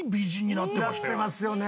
なってますよね。